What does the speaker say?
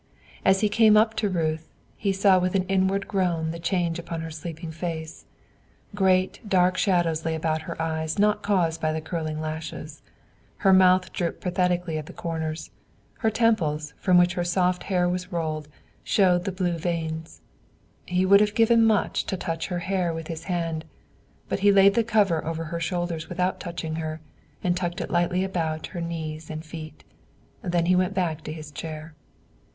As he came up to Ruth, he saw with an inward groan the change upon her sleeping face. Great, dark shadows lay about her eyes not caused by the curling lashes; her mouth drooped pathetically at the corners; her temples, from which her soft hair was rolled, showed the blue veins; he would have given much to touch her hair with his hand, but he laid the cover over her shoulders without touching her, and tucked it lightly about her knees and feet. Then he went back to his chair.